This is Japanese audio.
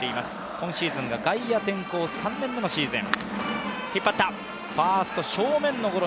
今シーズン外野転向３年目のシーズン。